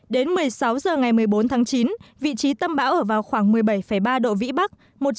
đến một mươi sáu h ngày một mươi bốn tháng chín vị trí tâm bão ở vào khoảng một mươi bảy ba độ vĩ bắc